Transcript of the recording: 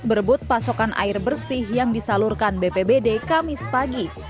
berebut pasokan air bersih yang disalurkan bpbd kamis pagi